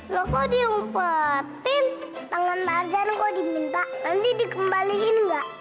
lo kok diumpetin tangan tarzan kok diminta nanti dikembalikan enggak